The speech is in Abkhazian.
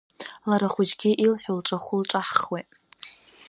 Лара ахәыҷгьы илҳәо лҿахәы лҿаҳхуеит.